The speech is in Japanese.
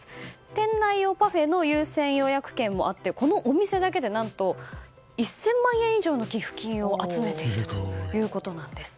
店内用パフェの優先予約券もあってこのお店だけで何と１０００万円以上の寄付金を集めているということなんです。